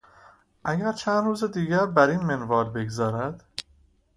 اگر چند روز دیگر بر این منوال بگذرد،...